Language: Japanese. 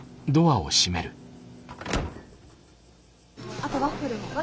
あとワッフルも。